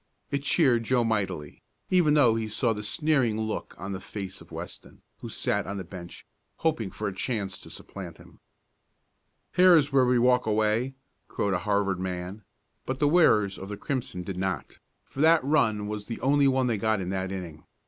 It cheered Joe mightily, even though he saw the sneering look on the face of Weston, who sat on the bench, hoping for a chance to supplant him. "Here's where we walk away!" crowed a Harvard man, but the wearers of the crimson did not, for that run was the only one they got that inning.